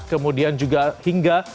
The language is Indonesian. kemudian juga hingga